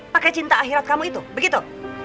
pakai cinta akhirat kamu itu begitu